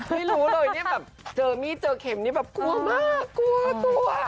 ไม่รู้เลยเนี่ยแบบเจอมีดเจอเข็มนี่แบบกลัวมากกลัวกลัว